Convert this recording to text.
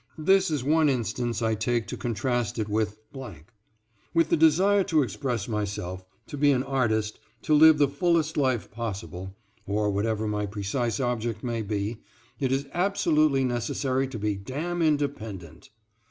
This is one instance I take to contrast it with.... With the desire to express myself, to be an artist, to live the fullest life possible, or whatever my precise object may be, it is absolutely necessary to be damn independent.